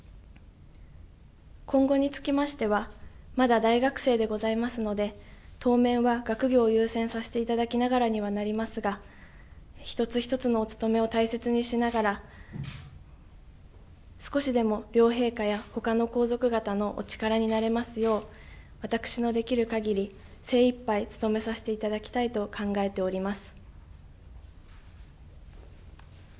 今後につきましてはまだ大学生でございますので当面は学業を優先させていただきながらにはなりますが一つ一つのお務めを大切にしながら少しでも両陛下やほかの皇族方のお力になれますよう私のできるかぎり精いっぱい務めさせていただきたいと考えております。